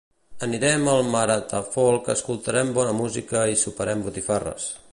Anirem al Maratafolk escoltarem bona música i soparem botifarres